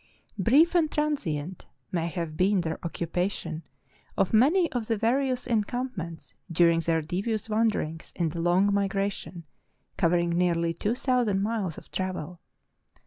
Brief and transient may have been their occupation of many of the various encampments during their devi ous wanderings in the long migration, covering nearly two thousand miles of travel.